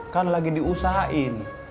kan lagi diusahain